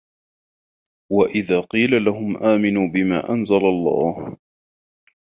وَإِذَا قِيلَ لَهُمْ آمِنُوا بِمَا أَنْزَلَ اللَّهُ